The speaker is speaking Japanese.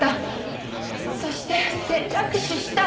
そして転落死した。